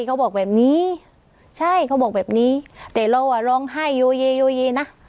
เขาบอกแบบนี้ใช่เขาบอกแบบนี้แต่เราอ่ะร้องไห้โยเยโยเยนะ